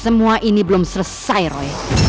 semua ini belum selesai roy